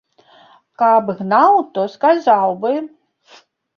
Каб гнаў, то сказаў бы.